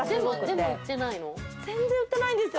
全然売ってないんですよ。